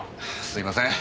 すいません。